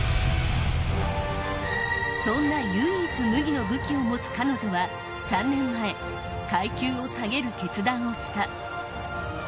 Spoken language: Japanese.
そんな唯一無二の武器を持つ彼女は３年前階級を下げる決断をした。